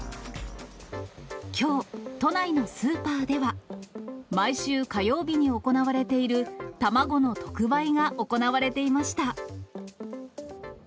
きょう、都内のスーパーでは、毎週火曜日に行われている卵の特売が行われていました。